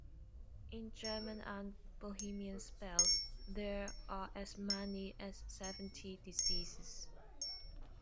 In German and Bohemian spells, there are as many as seventy diseases.